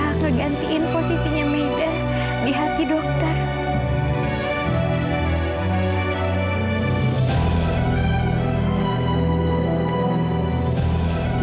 aku gak berhak ngegantiin posisinya aida di hati dokter